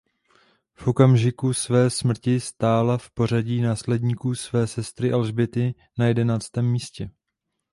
V okamžiku své smrti stála v pořadí následníků své sestry Alžběty na jedenáctém místě.